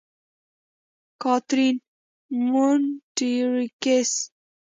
کاترین: مونټریکس.